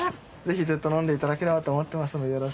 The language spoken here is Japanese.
ぜひずっと飲んでいただければと思ってますので。